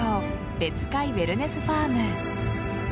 別海ウェルネスファーム。